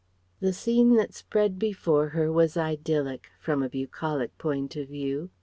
The scene that spread before her was idyllic, from a bucolic point of view.